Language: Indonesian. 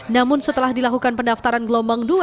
namun setelah dilakukan pendaftaran gelombang dua